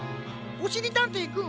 おしりたんていくん